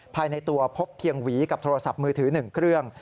ภายในตัวพบเพียงหวีกับโทรศัพท์มือถือ๑เครื่อง